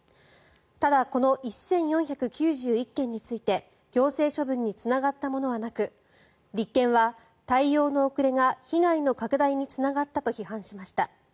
ただ、この１４９１件について行政処分につながったものはなく立憲は、対応の遅れが被害の拡大につながったと批判しました。